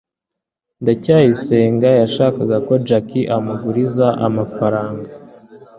ndacyayisenga yashakaga ko jaki amuguriza amafaranga